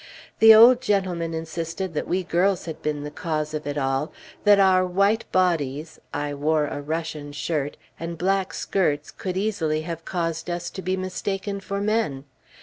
The old gentleman insisted that we girls had been the cause of it all; that our white bodies (I wore a Russian shirt) and black skirts could easily have caused us to be mistaken for men.